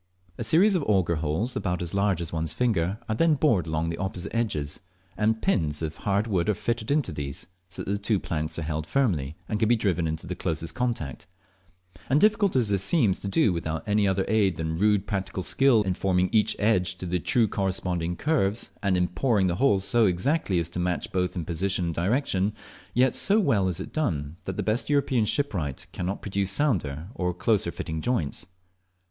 A series of auger holes, about as large as one's finger, are then bored along the opposite edges, and pins of very hard wood are fitted to these, so that the two planks are held firmly, and can be driven into the closest contact; and difficult as this seems to do without any other aid than rude practical skill in forming each edge to the true corresponding curves, and in poring the holes so as exactly to match both in position and direction, yet so well is it done that the best European shipwright cannot produce sounder or closer fitting joints.